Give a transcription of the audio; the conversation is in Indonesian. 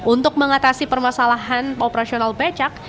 untuk mengatasi permasalahan operasional becak